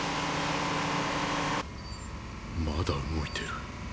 まだ動いてる。